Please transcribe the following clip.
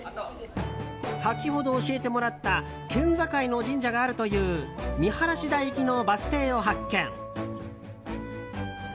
先ほど教えてもらった県境の神社があるという見晴台行きのバス停を発見。